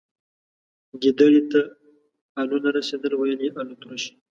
گيدړي ته الو نه رسيدل ، ويل يې الوتروش.